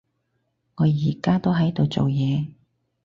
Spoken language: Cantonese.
我而家都喺度做嘢